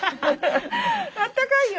あったかいよ！